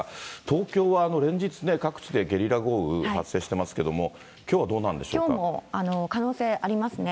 東京は連日ね、各地でゲリラ豪雨発生してますけれども、きょうはきょうも可能性ありますね。